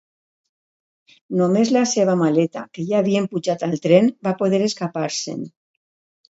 Només la seva maleta, que ja havien pujat al tren, va poder escapar-se'n.